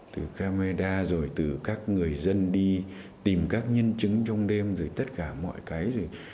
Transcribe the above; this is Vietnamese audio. từ camera rồi từ các người dân đi tìm các nhân chứng trong đêm rồi tất cả mọi cái rồi